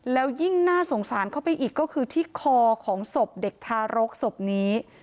แล้วยิ่งน่าสงสารเข้าไปอีกก็คือที่คอของศพเด็กทารกศพนี้